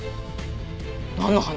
なんの話？